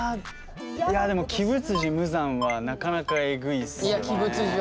いやでも鬼舞無惨はなかなかえぐいっすよね。